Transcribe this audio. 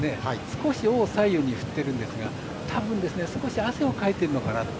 少し、尾を左右に振っているのが印象ですがたぶん少し汗をかいているのかなと。